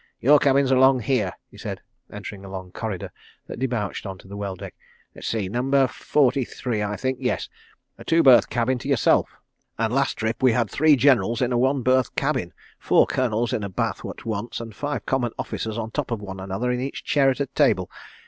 "Your cabin's along here," said he, entering a long corridor that debouched on to the well deck. "Let's see, Number 43, I think. Yes. A two berth cabin to yourself—and last trip we had three generals in a one berth cabin, four colonels in a bath at once, and five common officers on top of one another in each chair at table.